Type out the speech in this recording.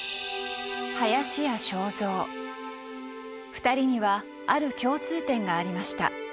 ２人にはある共通点がありました。